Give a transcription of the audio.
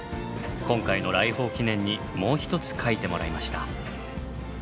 今回の来訪記念にもう一つ描いてもらいました。